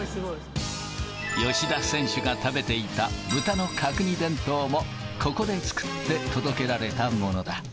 吉田選手が食べていた豚の角煮弁当も、ここで作って、届けられたものだ。